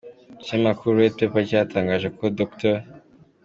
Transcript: Ikinyamakuru Red Pepper cyatangaje ko Dr.